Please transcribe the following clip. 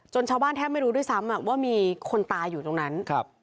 ชาวบ้านแทบไม่รู้ด้วยซ้ำว่ามีคนตายอยู่ตรงนั้น